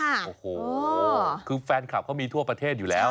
โอ้โหคือแฟนคลับเขามีทั่วประเทศอยู่แล้ว